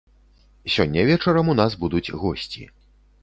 Сёння вечарам у нас будуць госці.